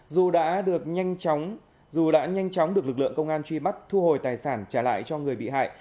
dù đã nhanh chóng được lực lượng công an truy bắt thu hồi tài sản trả lại cho người bị hại